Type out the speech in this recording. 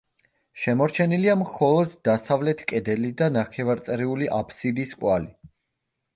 შემორჩენილია მხოლოდ დასავლეთ კედელი და ნახევარწრიული აბსიდის კვალი.